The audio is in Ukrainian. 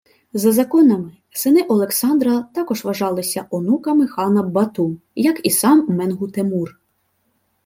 За законами, сини Олександра також вважалися онуками хана Бату, як і сам Менгу-Тимур